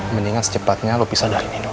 mendingan secepatnya lo pisah dari nino